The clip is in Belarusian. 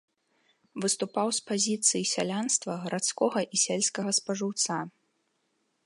Выступаў з пазіцый сялянства, гарадскога і сельскага спажыўца.